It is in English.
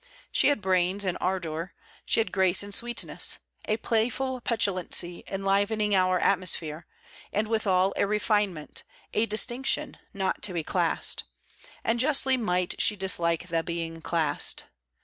She had brains and ardour, she had grace and sweetness, a playful petulancy enlivening our atmosphere, and withal a refinement, a distinction, not to be classed; and justly might she dislike the being classed.